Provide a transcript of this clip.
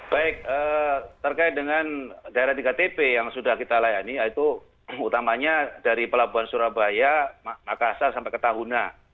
baik terkait dengan daerah tiga tp yang sudah kita layani yaitu utamanya dari pelabuhan surabaya makassar sampai ke tahuna